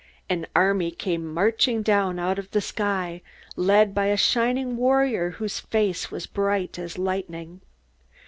An army came marching down out of the sky, led by a shining warrior whose face was bright as lightning.